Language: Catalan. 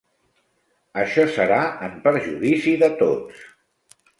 Això serà en perjudici de tots.